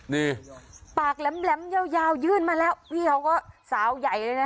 นี่ปากแหลมยาวยื่นมาแล้วพี่เขาก็สาวใหญ่เลยนะ